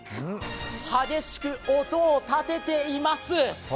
激しく音をたてています。